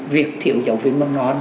việc thiếu giáo viên mâm non